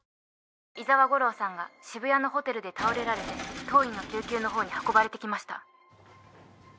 「伊沢吾良さんが渋谷のホテルで倒れられて当院の救急のほうに運ばれてきました」